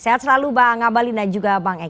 sehat selalu bang ngabalin dan juga bang eke